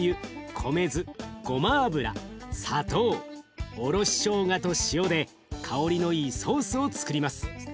米酢ごま油砂糖おろししょうがと塩で香りのいいソースをつくります。